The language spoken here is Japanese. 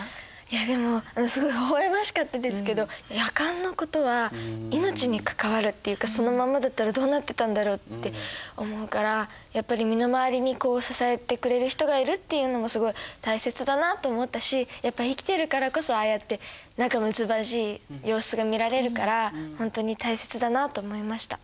でもすごいほほ笑ましかったですけどヤカンのことは命に関わるっていうかそのままだったらどうなってたんだろうって思うからやっぱり身の回りに支えてくれる人がいるっていうのもすごい大切だなと思ったしやっぱ生きてるからこそああやって仲むつまじい様子が見られるからほんとに大切だなと思いました。